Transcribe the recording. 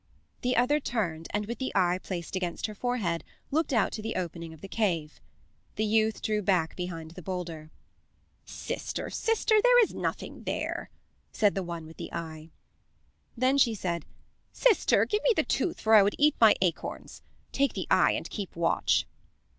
The other turned, and with the eye placed against her forehead looked out to the opening of the cave. The youth drew back behind the boulder. "Sister, sister, there is nothing there," said the one with the eye. Then she said: "Sister, give me the tooth for I would eat my acorns. Take the eye and keep watch."